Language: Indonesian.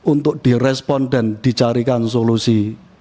untuk direspon dan dicarikan solusi